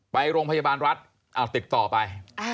ไปโรงพยาบาลรัฐเอาติดต่อไป